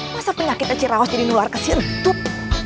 masa penyakit eci raos jadi keluar ke sintut